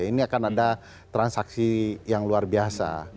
ini akan ada transaksi yang luar biasa